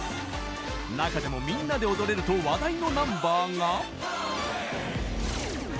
中でもみんなで踊れると話題のナンバーが。